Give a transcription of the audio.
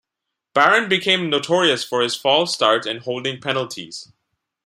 Barron became notorious for his false start and holding penalties.